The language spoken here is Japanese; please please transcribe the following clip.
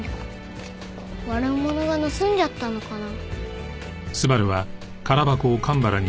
悪者が盗んじゃったのかな？